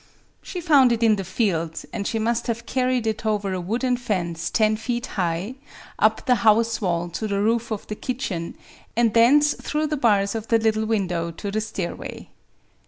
She found it in the field; and she must have carried it over a wooden fence ten feet high, up the house wall to the roof of the kitchen, and thence through the bars of the little window to the stair way.